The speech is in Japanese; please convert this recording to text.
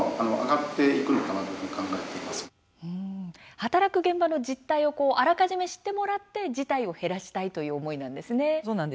働く現場の実態をあらかじめ知ってもらって辞退を減らしたいという思いなんですね。